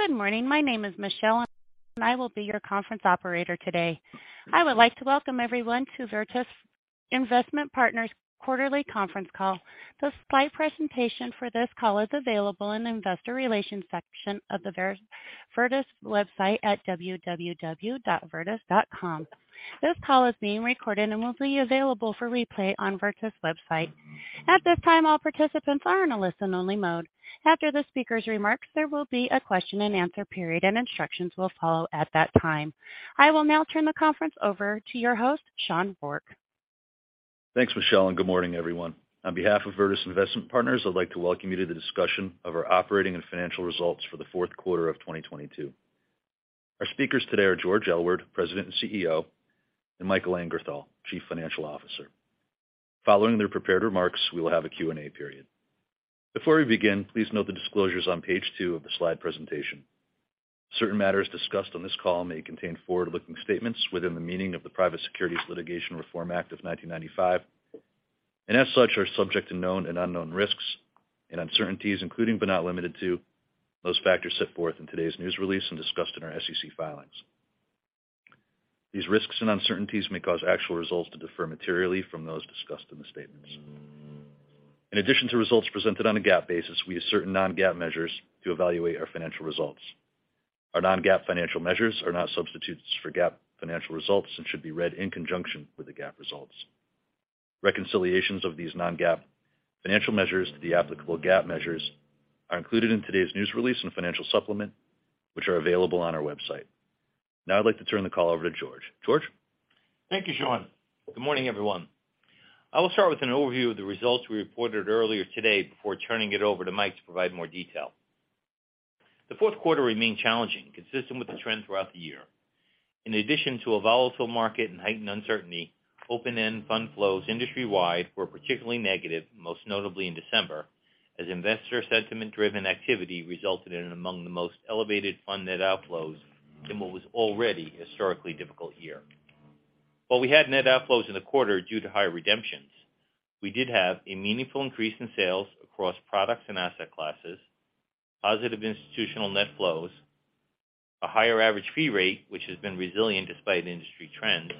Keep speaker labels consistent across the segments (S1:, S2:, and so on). S1: Good morning. My name is Michelle, I will be your conference operator today. I would like to welcome everyone to Virtus Investment Partners quarterly conference call. The slide presentation for this call is available in the investor relations section of the Virtus website at www.virtus.com. This call is being recorded and will be available for replay on Virtus website. At this time, all participants are in a listen only mode. After the speaker's remarks, there will be a question and answer period, and instructions will follow at that time. I will now turn the conference over to your host, Sean Rourke.
S2: Thanks, Michelle. Good morning, everyone. On behalf of Virtus Investment Partners, I'd like to welcome you to the discussion of our operating and financial results for the fourth quarter of 2022. Our speakers today are George Aylward, President and CEO, and Michael Angerthal, Chief Financial Officer. Following their prepared remarks, we will have a Q&A period. Before we begin, please note the disclosures on page two of the slide presentation. Certain matters discussed on this call may contain forward-looking statements within the meaning of the Private Securities Litigation Reform Act of 1995, and as such, are subject to known and unknown risks and uncertainties, including, but not limited to, those factors set forth in today's news release and discussed in our SEC filings. These risks and uncertainties may cause actual results to defer materially from those discussed in the statements. In addition to results presented on a GAAP basis, we assert non-GAAP measures to evaluate our financial results. Our non-GAAP financial measures are not substitutes for GAAP financial results and should be read in conjunction with the GAAP results. Reconciliations of these non-GAAP financial measures to the applicable GAAP measures are included in today's news release and financial supplement, which are available on our website. I'd like to turn the call over to George. George.
S3: Thank you, Sean. Good morning, everyone. I will start with an overview of the results we reported earlier today before turning it over to Mike to provide more detail. The fourth quarter remained challenging, consistent with the trend throughout the year. In addition to a volatile market and heightened uncertainty, open-end fund flows industry-wide were particularly negative, most notably in December, as investor sentiment driven activity resulted in among the most elevated fund net outflows in what was already a historically difficult year. While we had net outflows in the quarter due to higher redemptions, we did have a meaningful increase in sales across products and asset classes, positive institutional net flows, a higher average fee rate, which has been resilient despite industry trends,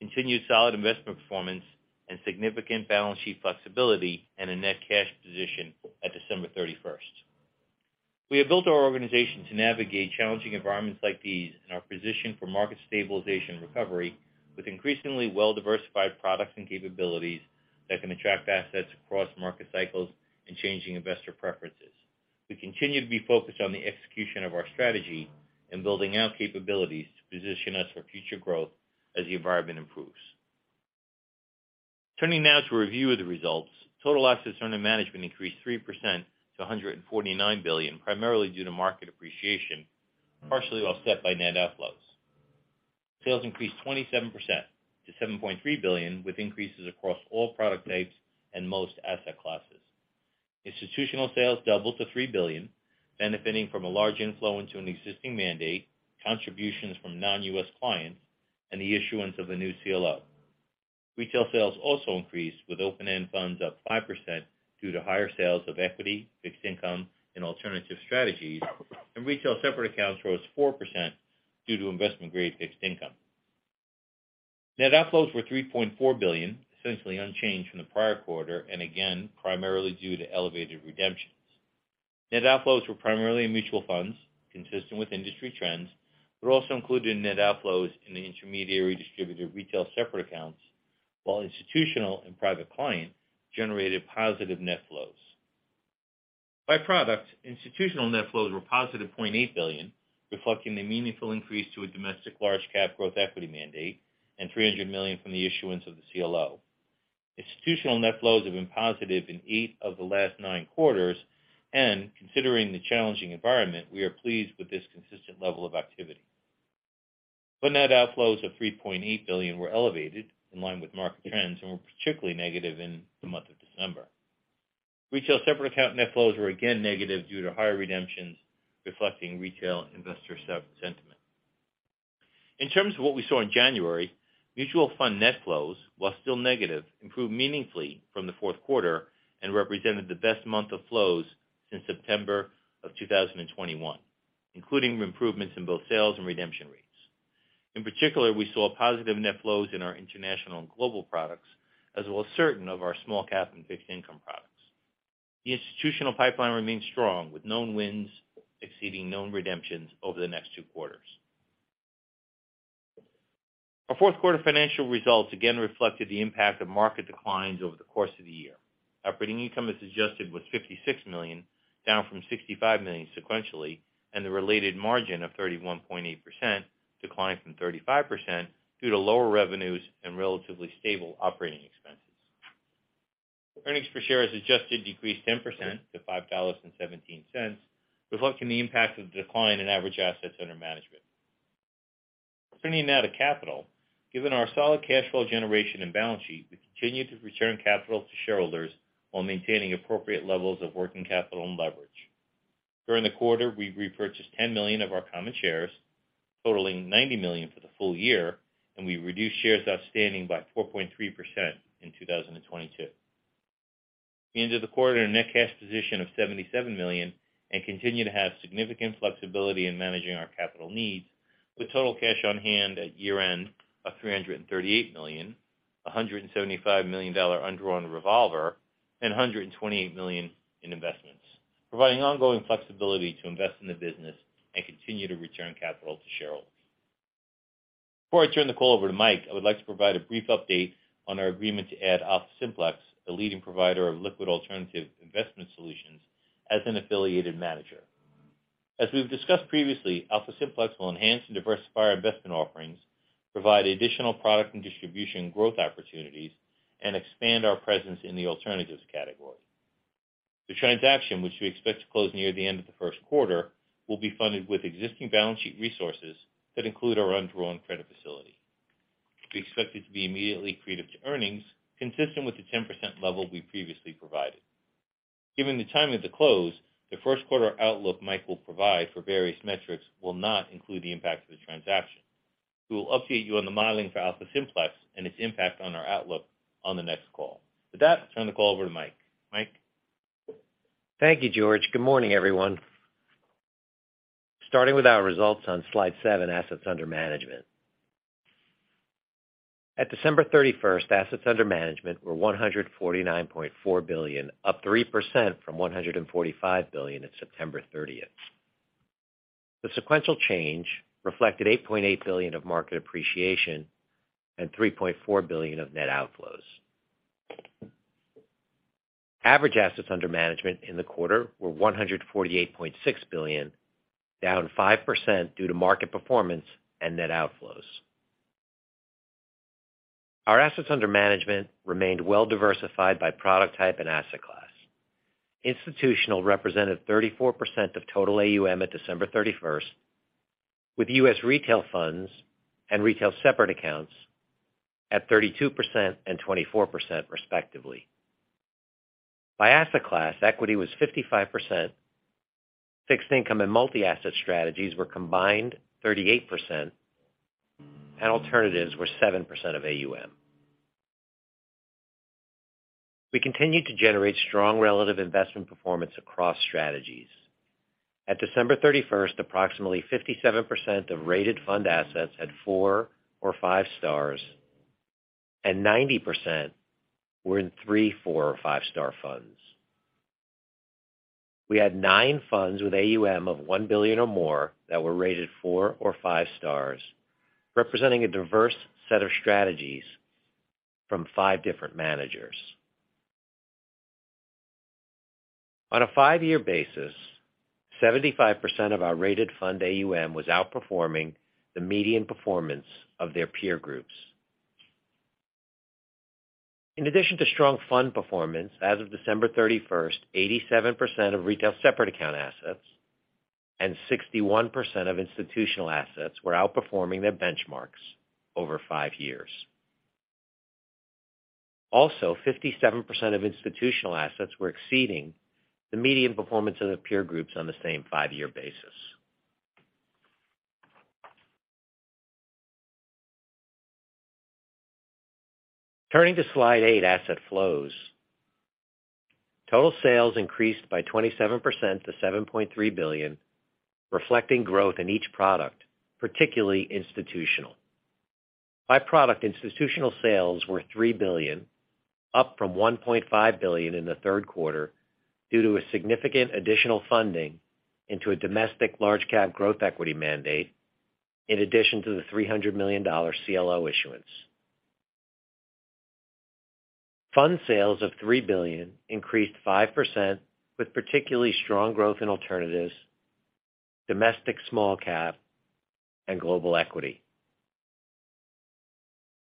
S3: continued solid investment performance and significant balance sheet flexibility and a net cash position at December 31st. We have built our organization to navigate challenging environments like these and are positioned for market stabilization recovery with increasingly well-diversified products and capabilities that can attract assets across market cycles and changing investor preferences. We continue to be focused on the execution of our strategy and building out capabilities to position us for future growth as the environment improves. Turning now to a review of the results. Total assets under management increased 3% to $149 billion, primarily due to market appreciation, partially offset by net outflows. Sales increased 27% to $7.3 billion, with increases across all product types and most asset classes. Institutional sales doubled to $3 billion, benefiting from a large inflow into an existing mandate, contributions from non-US clients, and the issuance of a new CLO. Retail sales also increased with open-end funds up 5% due to higher sales of equity, fixed income and alternative strategies, and retail separate accounts rose 4% due to investment-grade fixed income. Net outflows were $3.4 billion, essentially unchanged from the prior quarter and again primarily due to elevated redemptions. Net outflows were primarily in mutual funds, consistent with industry trends, but also included net outflows in the intermediary distributor retail separate accounts, while institutional and private client generated positive net flows. By product, institutional net flows were positive $0.8 billion, reflecting the meaningful increase to a domestic large cap growth equity mandate and $300 million from the issuance of the CLO. Institutional net flows have been positive in eight of the last nine quarters. Considering the challenging environment, we are pleased with this consistent level of activity. Fund net outflows of $3.8 billion were elevated in line with market trends and were particularly negative in the month of December. Retail separate account net flows were again negative due to higher redemptions, reflecting retail investor sentiment. In terms of what we saw in January, mutual fund net flows, while still negative, improved meaningfully from the fourth quarter and represented the best month of flows since September of 2021, including improvements in both sales and redemption rates. In particular, we saw positive net flows in our international and global products, as well as certain of our small cap and fixed income products. The institutional pipeline remains strong, with known wins exceeding known redemptions over the next two quarters. Our fourth quarter financial results again reflected the impact of market declines over the course of the year. Operating income as adjusted was $56 million, down from $65 million sequentially, and the related margin of 31.8% declined from 35% due to lower revenues and relatively stable operating expenses. Earnings per share as adjusted decreased 10% to $5.17, reflecting the impact of the decline in average assets under management. Turning now to capital. Given our solid cash flow generation and balance sheet, we continue to return capital to shareholders while maintaining appropriate levels of working capital and leverage. During the quarter, we repurchased $10 million of our common shares, totaling $90 million for the full year, and we reduced shares outstanding by 4.3% in 2022. We ended the quarter in a net cash position of $77 million and continue to have significant flexibility in managing our capital needs with total cash on hand at year-end of $338 million, a $175 million undrawn revolver, and $128 million in investments, providing ongoing flexibility to invest in the business and continue to return capital to shareholders. Before I turn the call over to Mike, I would like to provide a brief update on our agreement to add AlphaSimplex, a leading provider of liquid alternative investment solutions, as an affiliated manager. As we've discussed previously, AlphaSimplex will enhance and diversify our investment offerings, provide additional product and distribution growth opportunities, and expand our presence in the alternatives category. The transaction, which we expect to close near the end of the first quarter, will be funded with existing balance sheet resources that include our undrawn credit facility. We expect it to be immediately accretive to earnings, consistent with the 10% level we previously provided. Given the timing of the close, the first quarter outlook Mike will provide for various metrics will not include the impact of the transaction. We will update you on the modeling for AlphaSimplex and its impact on our outlook on the next call. With that, I'll turn the call over to Mike. Mike?
S4: Thank you, George. Good morning, everyone. Starting with our results on slide seven, Assets Under Management. At December 31st, assets under management were $149.4 billion, up 3% from $145 billion at September 30th. The sequential change reflected $8.8 billion of market appreciation and $3.4 billion of net outflows. Average assets under management in the quarter were $148.6 billion, down 5% due to market performance and net outflows. Our assets under management remained well-diversified by product type and asset class. Institutional represented 34% of total AUM at December 31st, with U.S. retail funds and retail separate accounts at 32% and 24%, respectively. By asset class, equity was 55%, fixed income and multi-asset strategies were combined 38%, and alternatives were 7% of AUM. We continued to generate strong relative investment performance across strategies. At December 31st, approximately 57% of rated fund assets had 4 or 5 stars, and 90% were in 3, 4 or 5-star funds. We had nine funds with AUM of $1 billion or more that were rated 4 or 5 stars, representing a diverse set of strategies from five different managers. On a 5-year basis, 75% of our rated fund AUM was outperforming the median performance of their peer groups. In addition to strong fund performance, as of December 31st, 87% of retail separate account assets and 61% of institutional assets were outperforming their benchmarks over 5 years. 57% of institutional assets were exceeding the median performance of their peer groups on the same 5-year basis. Turning to slide eight, Asset Flows. Total sales increased by 27% to $7.3 billion, reflecting growth in each product, particularly institutional. By product, institutional sales were $3 billion, up from $1.5 billion in the third quarter, due to a significant additional funding into a domestic large cap growth equity mandate, in addition to the $300 million CLO issuance. Fund sales of $3 billion increased 5% with particularly strong growth in alternatives, domestic small cap, and global equity.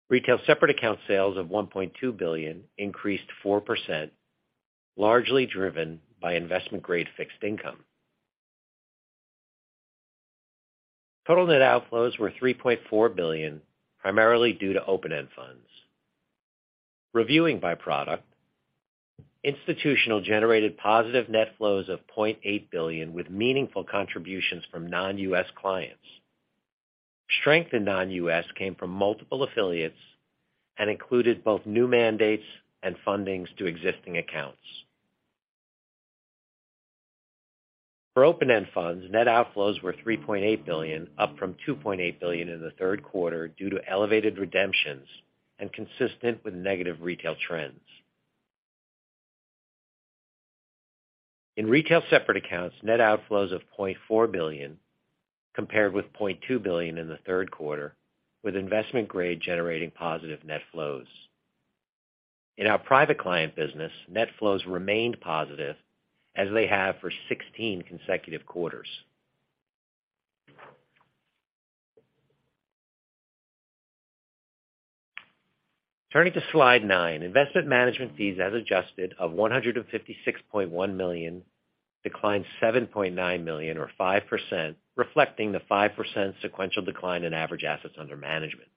S4: Retail separate account sales of $1.2 billion increased 4%, largely driven by investment-grade fixed income. Total net outflows were $3.4 billion, primarily due to open-end funds. Reviewing by product, institutional generated positive net flows of $0.8 billion, with meaningful contributions from non-U.S. clients. Strength in non-U.S. came from multiple affiliates and included both new mandates and fundings to existing accounts. For open-end funds, net outflows were $3.8 billion, up from $2.8 billion in the third quarter due to elevated redemptions and consistent with negative retail trends. In retail separate accounts, net outflows of $0.4 billion compared with $0.2 billion in the third quarter, with investment grade generating positive net flows. In our private client business, net flows remained positive, as they have for 16 consecutive quarters. Turning to slide nine, investment management fees as adjusted of $156.1 million declined $7.9 million or 5%, reflecting the 5% sequential decline in average assets under management.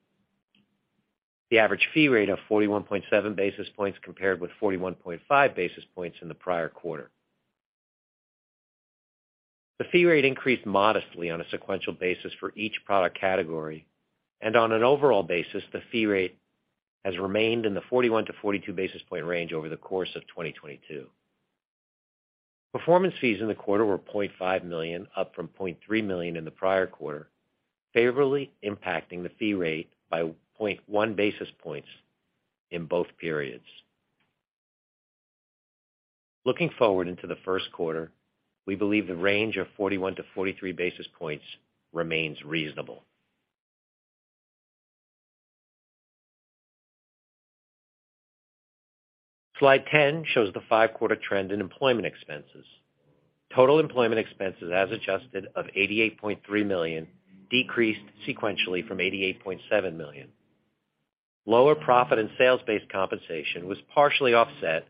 S4: The average fee rate of 41.7 basis points compared with 41.5 basis points in the prior quarter. The fee rate increased modestly on a sequential basis for each product category. On an overall basis, the fee rate has remained in the 41-42 basis point range over the course of 2022. Performance fees in the quarter were $0.5 million, up from $0.3 million in the prior quarter, favorably impacting the fee rate by one basis points in both periods. Looking forward into the first quarter, we believe the range of 41-43 basis points remains reasonable. Slide 10 shows the five-quarter trend in employment expenses. Total employment expenses as adjusted of $88.3 million decreased sequentially from $88.7 million. Lower profit and sales-based compensation was partially offset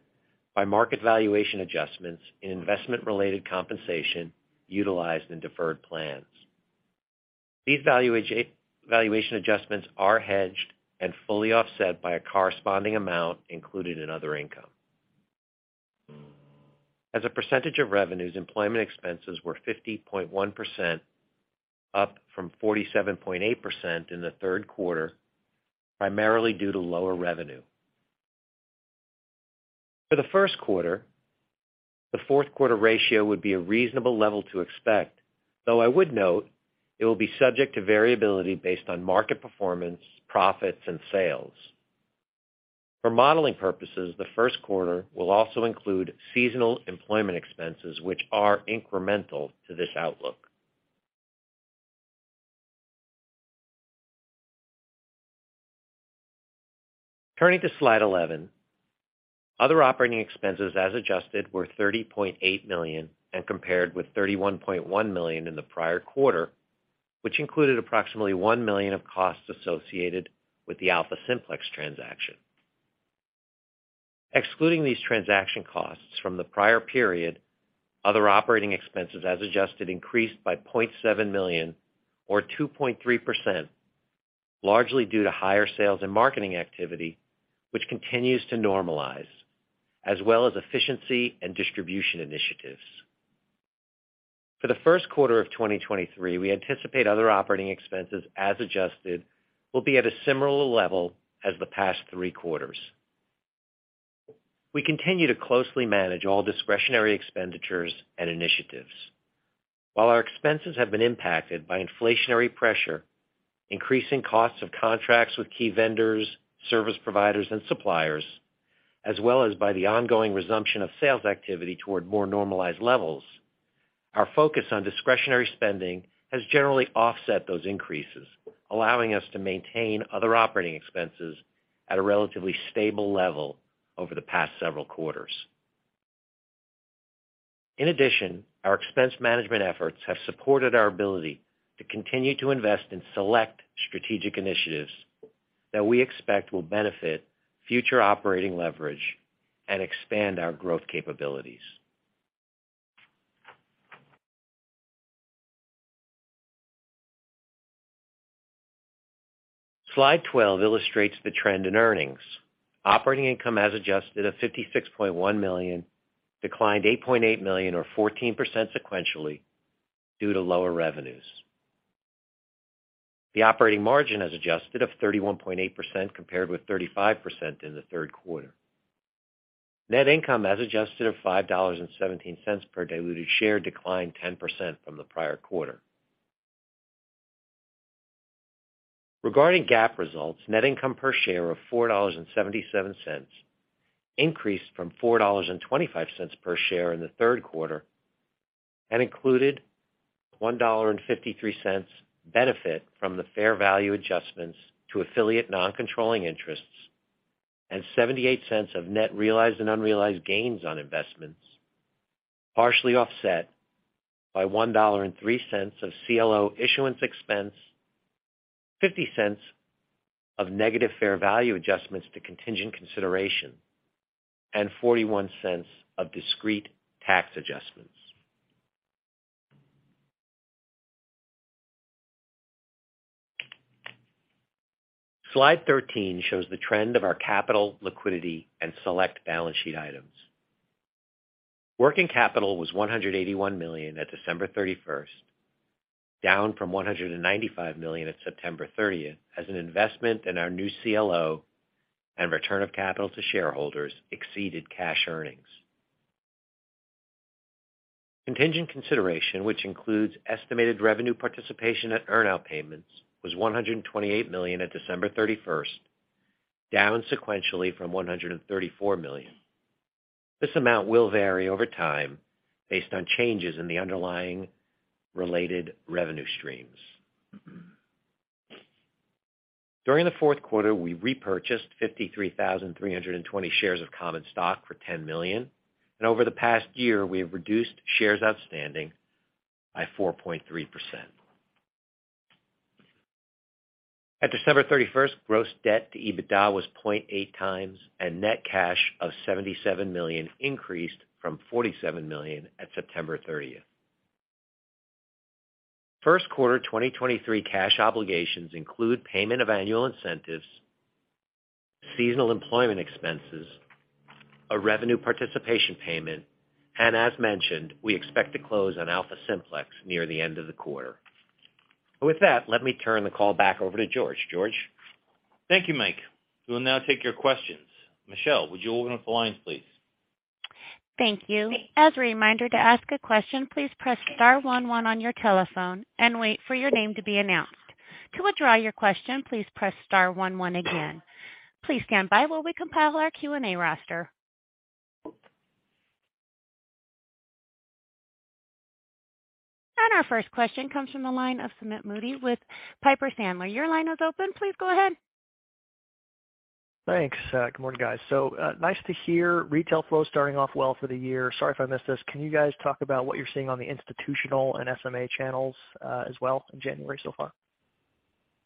S4: by market valuation adjustments in investment-related compensation utilized in deferred plans. These valuation adjustments are hedged and fully offset by a corresponding amount included in other income. As a percentage of revenues, employment expenses were 50.1%, up from 47.8% in the third quarter, primarily due to lower revenue. For the first quarter, the fourth quarter ratio would be a reasonable level to expect, though I would note it will be subject to variability based on market performance, profits, and sales. For modeling purposes, the first quarter will also include seasonal employment expenses which are incremental to this outlook. Turning to slide 11. Other operating expenses as adjusted were $30.8 million and compared with $31.1 million in the prior quarter, which included approximately $1 million of costs associated with the AlphaSimplex transaction. Excluding these transaction costs from the prior period, other operating expenses as adjusted increased by $0.7 million or 2.3%, largely due to higher sales and marketing activity, which continues to normalize, as well as efficiency and distribution initiatives. For the first quarter of 2023, we anticipate other operating expenses as adjusted will be at a similar level as the past three quarters. We continue to closely manage all discretionary expenditures and initiatives. While our expenses have been impacted by inflationary pressure, increasing costs of contracts with key vendors, service providers, and suppliers, as well as by the ongoing resumption of sales activity toward more normalized levels, our focus on discretionary spending has generally offset those increases, allowing us to maintain other operating expenses at a relatively stable level over the past several quarters. In addition, our expense management efforts have supported our ability to continue to invest in select strategic initiatives that we expect will benefit future operating leverage and expand our growth capabilities. Slide 12 illustrates the trend in earnings. Operating income as adjusted of $56.1 million declined $8.8 million or 14% sequentially due to lower revenues. The operating margin as adjusted of 31.8% compared with 35% in the third quarter. Net income as adjusted of $5.17 per diluted share declined 10% from the prior quarter. Regarding GAAP results, net income per share of $4.77 increased from $4.25 per share in the third quarter, and included $1.53 benefit from the fair value adjustments to affiliate non-controlling interests and $0.78 of net realized and unrealized gains on investments, partially offset by $1.03 of CLO issuance expense, $0.50 of negative fair value adjustments to contingent consideration, and $0.41 of discrete tax adjustments. Slide 13 shows the trend of our capital liquidity and select balance sheet items. Working capital was $181 million at December 31st, down from $195 million at September 30th as an investment in our new CLO and return of capital to shareholders exceeded cash earnings. Contingent consideration, which includes estimated revenue participation at earn out payments was $128 million at December 31st, down sequentially from $134 million. This amount will vary over time based on changes in the underlying related revenue streams. During the fourth quarter, we repurchased 53,320 shares of common stock for $10 million. Over the past year, we have reduced shares outstanding by 4.3%. At December 31st, gross debt to EBITDA was 0.8 times, and net cash of $77 million increased from $47 million at September 30th. First quarter 2023 cash obligations include payment of Seasonal employment expenses, a revenue participation payment, and as mentioned, we expect to close on AlphaSimplex near the end of the quarter. With that, let me turn the call back over to George. George?
S3: Thank you, Mike. We will now take your questions. Michelle, would you open up the lines, please?
S1: Thank you. As a reminder to ask a question, please press star one one on your telephone and wait for your name to be announced. To withdraw your question, please press star one one again. Please stand by while we compile our Q&A roster. Our first question comes from the line of Sumeet Mody with Piper Sandler. Your line is open. Please go ahead.
S5: Thanks. Good morning, guys. Nice to hear retail flow starting off well for the year. Sorry if I missed this. Can you guys talk about what you're seeing on the institutional and SMA channels, as well in January so far?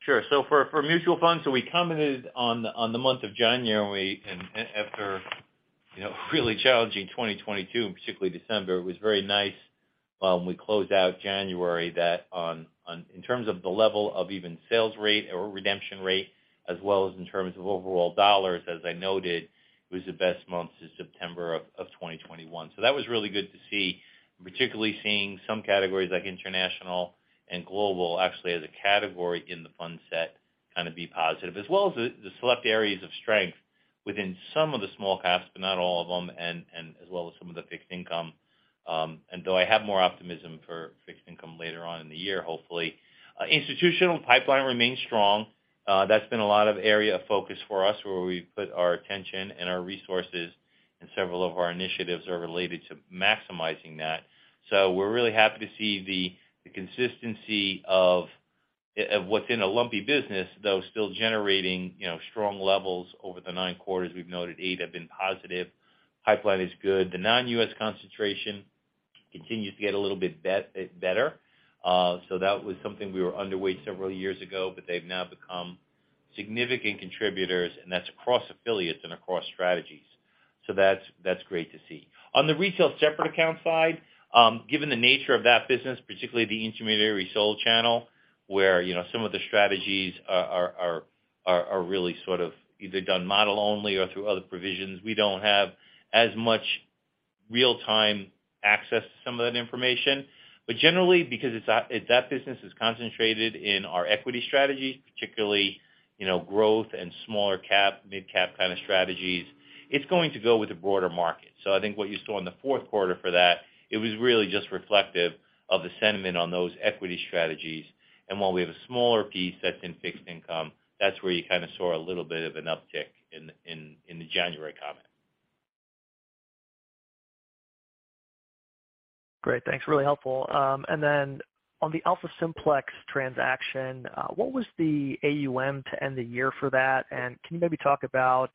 S3: For mutual funds, we commented on the month of January, and after, you know, really challenging 2022, and particularly December, it was very nice when we closed out January that in terms of the level of even sales rate or redemption rate, as well as in terms of overall dollars, as I noted, it was the best month since September of 2021. That was really good to see, particularly seeing some categories like international and global actually as a category in the fund set, kind of be positive. As well as the select areas of strength within some of the small caps, but not all of them, and as well as some of the fixed income. Though I have more optimism for fixed income later on in the year, hopefully. Institutional pipeline remains strong. That's been a lot of area of focus for us, where we've put our attention and our resources. Several of our initiatives are related to maximizing that. We're really happy to see the consistency of, what's been a lumpy business, though still generating, you know, strong levels over the nine quarters. We've noted eight have been positive. Pipeline is good. The non-U.S. concentration continues to get a little bit better. That was something we were underweight several years ago, but they've now become significant contributors, and that's across affiliates and across strategies. That's great to see. On the retail separate account side, given the nature of that business, particularly the intermediary sold channel, where, you know, some of the strategies are really sort of either done model only or through other provisions, we don't have as much real time access to some of that information. Generally, because it's that business is concentrated in our equity strategies, particularly, you know, growth and smaller cap, mid-cap kind of strategies, it's going to go with the broader market. I think what you saw in the fourth quarter for that, it was really just reflective of the sentiment on those equity strategies. While we have a smaller piece that's in fixed income, that's where you kind of saw a little bit of an uptick in the January comment.
S5: Great. Thanks. Really helpful. Then on the AlphaSimplex transaction, what was the AUM to end the year for that? Can you maybe talk about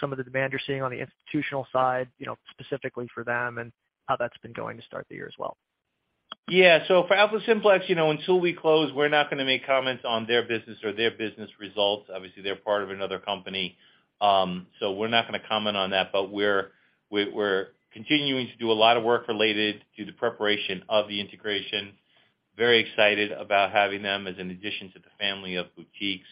S5: some of the demand you're seeing on the institutional side, you know, specifically for them and how that's been going to start the year as well?
S3: Yeah. For AlphaSimplex, you know, until we close, we're not gonna make comments on their business or their business results. Obviously, they're part of another company, so we're not gonna comment on that. We're continuing to do a lot of work related to the preparation of the integration. Very excited about having them as an addition to the family of boutiques.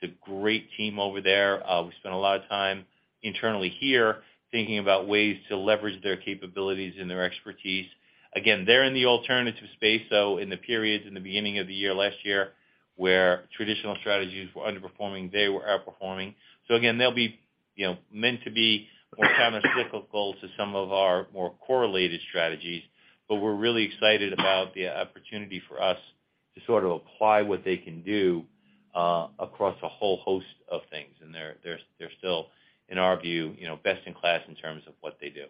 S3: It's a great team over there. We spent a lot of time internally here thinking about ways to leverage their capabilities and their expertise. They're in the alternative space, so in the periods in the beginning of the year, last year, where traditional strategies were underperforming, they were outperforming. Again, they'll be, you know, meant to be more countercyclical to some of our more correlated strategies, but we're really excited about the opportunity for us to sort of apply what they can do across a whole host of things. They're still, in our view, you know, best in class in terms of what they do.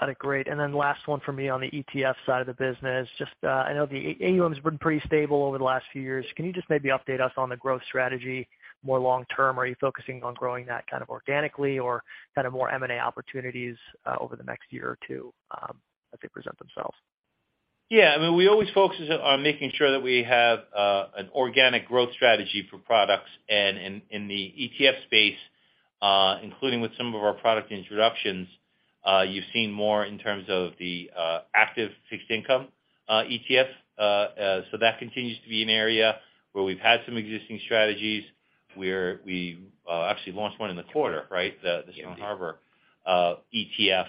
S5: Got it. Great. Last one for me on the ETF side of the business. Just, I know the AUM has been pretty stable over the last few years. Can you just maybe update us on the growth strategy more long term? Are you focusing on growing that kind of organically or kind of more M&A opportunities, over the next year or two, as they present themselves?
S3: Here we always focus on making sure that we have an organic growth strategy for products. And in the ETF space, including with some of our product introductions, you've seen more in terms of the active fixed income ETF. So that continues to be an area where we've had some existing strategies, where we actually launched one in the quarter, right? The Stone Harbor ETF.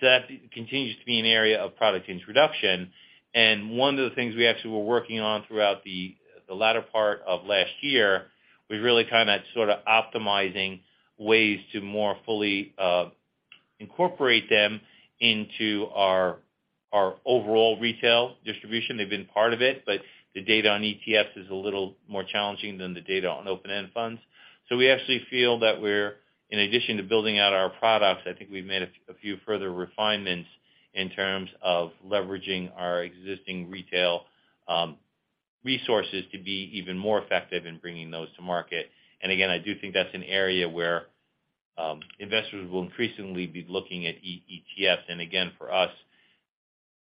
S3: So that continues to be an area of product introduction. And one of the things we actually were working on throughout the latter part of last year was really kind of sort of optimizing ways to more fully incorporate them into our overall retail distribution. They've been part of it, but the data on ETFs is a little more challenging than the data on open-end funds. We actually feel that we're, in addition to building out our products, I think we've made a few further refinements in terms of leveraging our existing retail resources to be even more effective in bringing those to market. Again, I do think that's an area where investors will increasingly be looking at ETFs. Again, for us,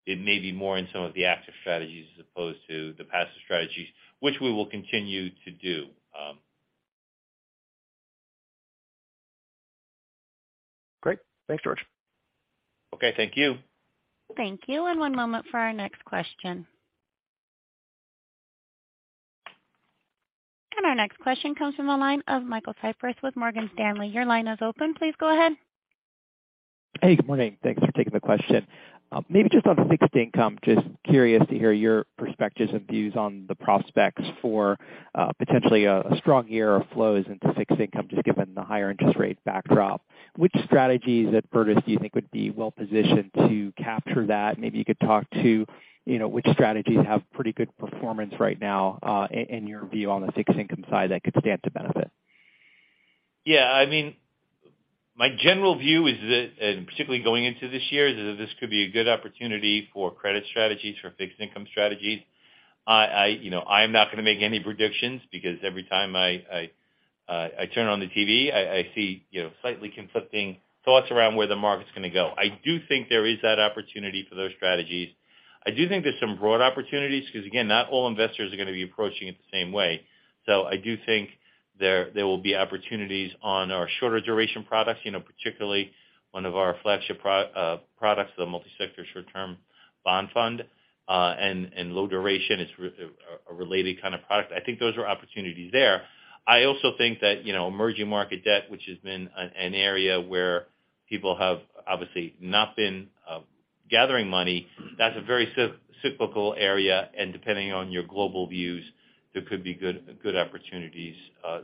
S3: it may be more in some of the active strategies as opposed to the passive strategies, which we will continue to do.
S5: Great. Thanks, George.
S3: Okay, thank you.
S1: Thank you. One moment for our next question. Our next question comes from the line of Michael Cyprys with Morgan Stanley. Your line is open. Please go ahead.
S6: Hey, good morning. Thanks for taking the question. Maybe just on fixed income, just curious to hear your perspectives and views on the prospects for potentially a strong year of flows into fixed income, just given the higher interest rate backdrop. Which strategies at Virtus do you think would be well-positioned to capture that? Maybe you could talk to, you know, which strategies have pretty good performance right now, and your view on the fixed income side that could stand to benefit.
S3: Yeah, I mean, my general view is that, and particularly going into this year, is that this could be a good opportunity for credit strategies, for fixed income strategies. I, you know, I am not gonna make any predictions because every time I turn on the TV, I see, you know, slightly conflicting thoughts around where the market's gonna go. I do think there is that opportunity for those strategies. I do think there's some broad opportunities because, again, not all investors are gonna be approaching it the same way. I do think there will be opportunities on our shorter duration products, you know, particularly one of our flagship products, the Multi-Sector Short-Term Bond Fund, and Low Duration is a related kind of product. I think those are opportunities there. I also think that, you know, emerging market debt, which has been an area where people have obviously not been gathering money, that's a very cyclical area, and depending on your global views, there could be good opportunities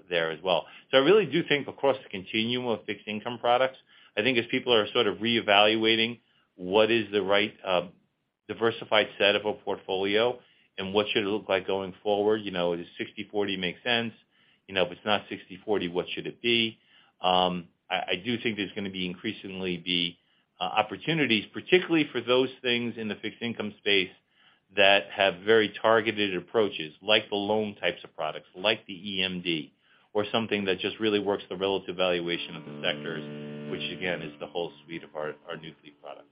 S3: there as well. I really do think across the continuum of fixed income products, I think as people are sort of reevaluating what is the right diversified set of a portfolio and what should it look like going forward, you know, does 60/40 make sense? You know, if it's not 60/40, what should it be? I do think there's gonna be increasingly opportunities, particularly for those things in the fixed income space that have very targeted approaches, like the loan types of products, like the EMD, or something that just really works the relative valuation of the sectors, which again, is the whole suite of our Newfleet products.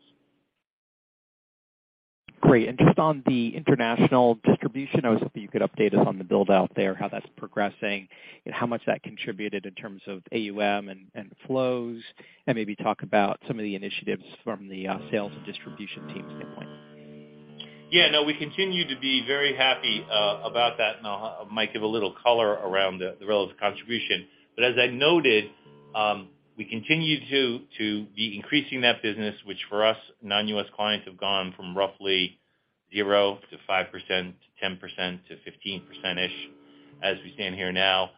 S6: Great. Just on the international distribution, I was hoping you could update us on the build-out there, how that's progressing and how much that contributed in terms of AUM and flows, and maybe talk about some of the initiatives from the sales and distribution team's standpoint?
S3: Yeah, no, we continue to be very happy about that, I'll Mike, give a little color around the relative contribution. As I noted, we continue to be increasing that business, which for us, non-U.S. clients have gone from roughly 0 to 5% to 10% to 15%-ish as we stand here now.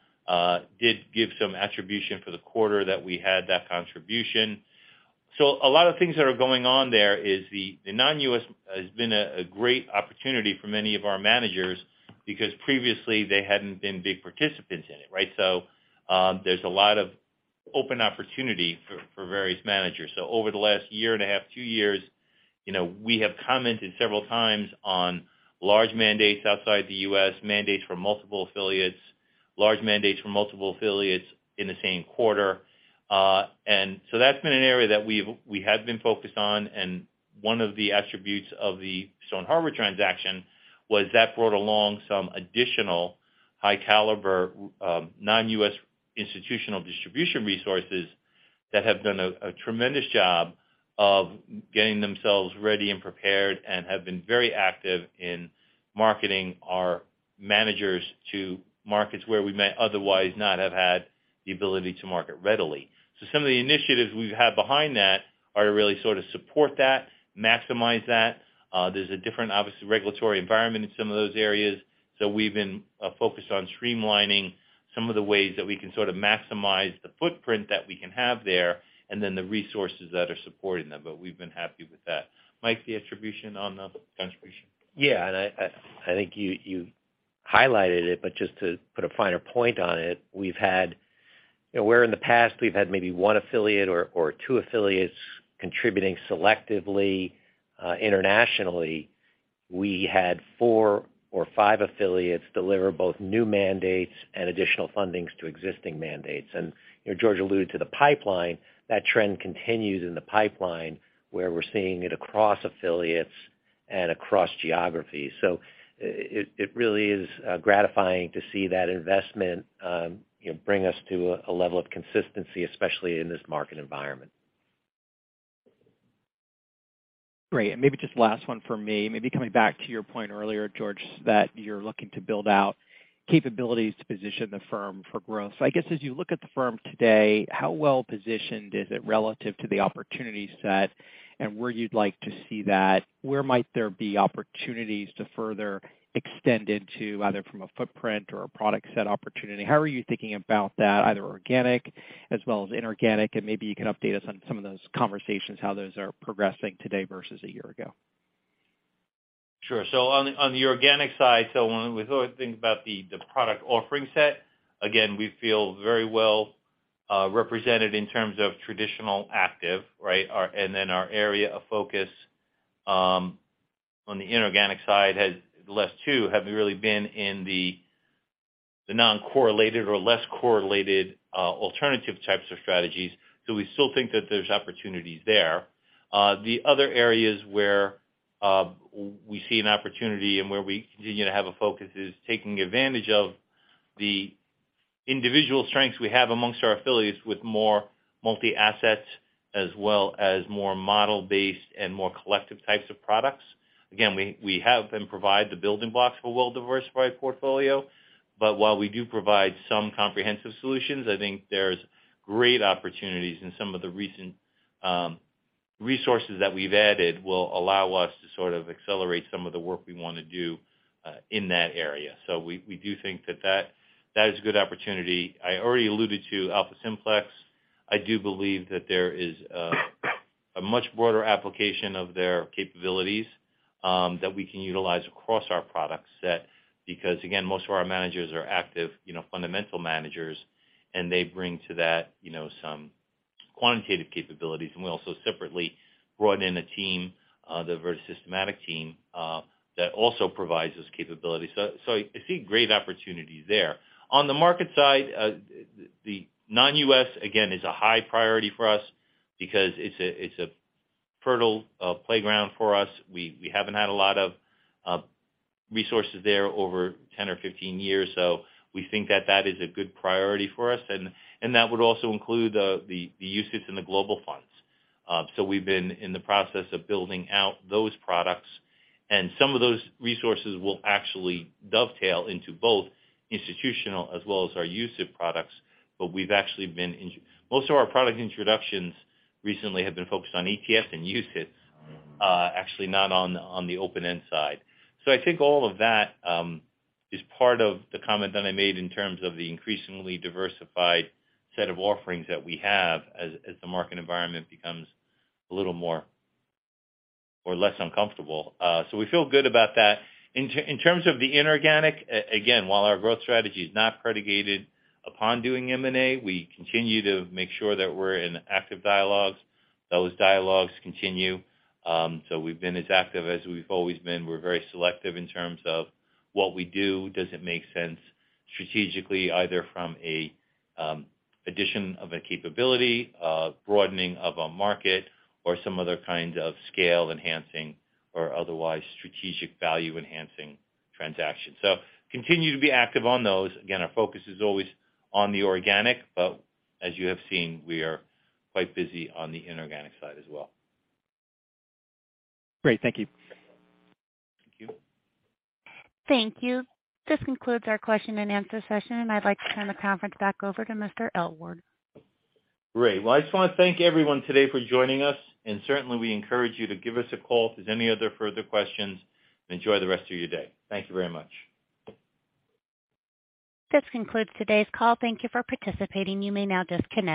S3: Did give some attribution for the quarter that we had that contribution. A lot of things that are going on there is the non-U.S. has been a great opportunity for many of our managers because previously they hadn't been big participants in it, right? There's a lot of open opportunity for various managers. Over the last year and a half, two years, you know, we have commented several times on large mandates outside the U.S., mandates for multiple affiliates, large mandates for multiple affiliates in the same quarter. And so that's been an area that we have been focused on, and one of the attributes of the Stone Harbor transaction was that brought along some additional high caliber non-U.S. institutional distribution resources that have done a tremendous job of getting themselves ready and prepared and have been very active in marketing our managers to markets where we may otherwise not have had the ability to market readily. Some of the initiatives we've had behind that are to really sort of support that, maximize that. There's a different, obviously, regulatory environment in some of those areas. We've been focused on streamlining some of the ways that we can sort of maximize the footprint that we can have there, and then the resources that are supporting them. We've been happy with that. Mike, the attribution on the contribution?
S4: Yeah. I think you highlighted it, but just to put a finer point on it, we've had. You know, where in the past we've had maybe one affiliate or two affiliates contributing selectively, internationally, we had four or five affiliates deliver both new mandates and additional fundings to existing mandates. You know, George alluded to the pipeline. That trend continues in the pipeline, where we're seeing it across affiliates and across geographies. It really is gratifying to see that investment, you know, bring us to a level of consistency, especially in this market environment.
S6: Great. Maybe just last one for me. Maybe coming back to your point earlier, George, that you're looking to build out capabilities to position the firm for growth. I guess as you look at the firm today, how well-positioned is it relative to the opportunity set and where you'd like to see that? Where might there be opportunities to further extend into, either from a footprint or a product set opportunity? How are you thinking about that, either organic as well as inorganic? Maybe you can update us on some of those conversations, how those are progressing today versus a year ago.
S3: Sure. on the, on the organic side, so when we sort of think about the product offering set, again, we feel very well represented in terms of traditional active, right? Our area of focus on the inorganic side has less too, have really been in the non-correlated or less correlated alternative types of strategies. we still think that there's opportunities there. The other areas where we see an opportunity and where we continue to have a focus is taking advantage of the individual strengths we have amongst our affiliates with more multi-assets as well as more model-based and more collective types of products. Again, we have them provide the building blocks for well-diversified portfolio. While we do provide some comprehensive solutions, I think there's great opportunities in some of the recent resources that we've added will allow us to sort of accelerate some of the work we wanna do in that area. We do think that is a good opportunity. I already alluded to AlphaSimplex. I do believe that there is a much broader application of their capabilities that we can utilize across our product set because, again, most of our managers are active, you know, fundamental managers, and they bring to that, you know, some quantitative capabilities. We also separately brought in a team, diverse systematic team, that also provides this capability. I see great opportunities there. On the market side, the non-U.S. again is a high priority for us because it's a fertile playground for us. We haven't had a lot of resources there over 10 or 15 years, we think that that is a good priority for us. That would also include the UCITS and the global funds. We've been in the process of building out those products, and some of those resources will actually dovetail into both institutional as well as our UCITS products. We've actually been in. Most of our product introductions recently have been focused on ETF and UCITS, actually not on the open-end side. I think all of that is part of the comment that I made in terms of the increasingly diversified set of offerings that we have as the market environment becomes a little more or less uncomfortable. We feel good about that. In terms of the inorganic, again, while our growth strategy is not predicated upon doing M&A, we continue to make sure that we're in active dialogues. Those dialogues continue. We've been as active as we've always been. We're very selective in terms of what we do. Does it make sense strategically, either from a addition of a capability, a broadening of a market, or some other kind of scale enhancing or otherwise strategic value-enhancing transaction? Continue to be active on those. Again, our focus is always on the organic, but as you have seen, we are quite busy on the inorganic side as well.
S6: Great. Thank you.
S3: Thank you.
S1: Thank you. This concludes our question and answer session, and I'd like to turn the conference back over to Mr. Aylward.
S3: Great. Well, I just wanna thank everyone today for joining us and certainly we encourage you to give us a call if there's any other further questions and enjoy the rest of your day. Thank you very much.
S1: This concludes today's call. Thank you for participating. You may now disconnect.